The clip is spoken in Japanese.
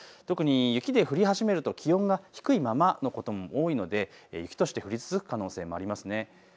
特に雪で降り始めると気温が低いままのことも多いので雪として降り続く可能性があります。